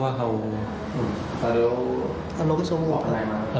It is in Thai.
มีลูกอยู่คนไหนมีลูกด้วยกัน๑คนครับ